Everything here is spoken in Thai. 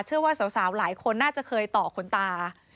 เชื่อว่าสาวหลายคนน่าจะเคยต่อขนตา